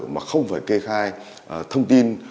mà không phải kê khai thông tin